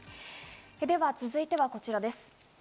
では続いてはこちらです。